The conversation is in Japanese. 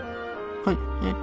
はい。